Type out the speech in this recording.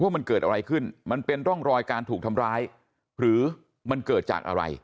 ว่ามันเกิดอะไรขึ้นมันเป็นร่องรอยการถูกทำร้ายหรือมันเกิดจากอะไร